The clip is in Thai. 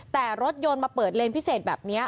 แต่รถยนต์มาเปิดเลนพิเศษแบบนี้